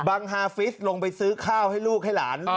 ฮาฟิศลงไปซื้อข้าวให้ลูกให้หลาน